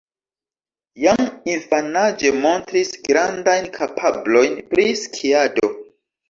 Jam infanaĝe montris grandajn kapablojn pri skiado.